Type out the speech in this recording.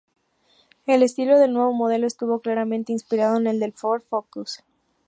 El estilo del nuevo modelo estuvo claramente inspirado en el del Ford Focus.